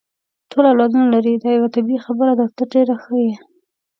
ټول اولادونه لري، دا یوه طبیعي خبره ده، ته ډېره ښه یې.